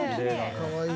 かわいい。